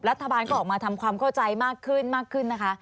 รัฐบาลก็ออกมาทำความเข้าใจมากขึ้นมากขึ้นนะคะ